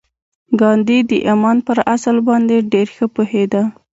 ګاندي د ایمان پر اصل باندې ډېر ښه پوهېده